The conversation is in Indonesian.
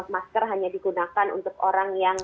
masker hanya digunakan untuk orang yang